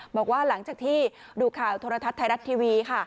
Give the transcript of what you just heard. บอกว่าหลังจากที่ดูข่าวโทรทัศน์ไทยรัฐทีวีค่ะ